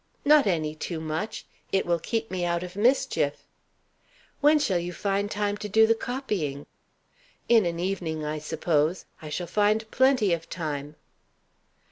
"Not any too much. It will keep me out of mischief." "When shall you find time to do the copying?" "In an evening, I suppose. I shall find plenty of time."